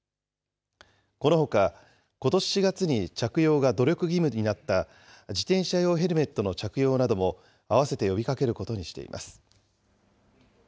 このほか、ことし４月に着用が努力義務になった自転車用ヘルメットの着用などもあわせて呼びかけることにしています。